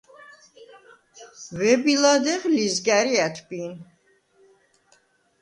ვები ლადეღ ლიზგა̈რი ა̈თვბინ;